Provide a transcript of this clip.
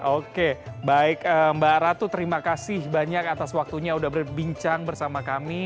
oke baik mbak ratu terima kasih banyak atas waktunya sudah berbincang bersama kami